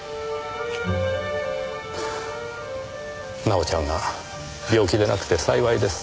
奈緒ちゃんが病気でなくて幸いです。